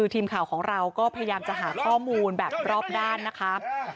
ทีมข่าวของเราก็พยายามจะหาข้อมูลแบบรอบด้านนะคะ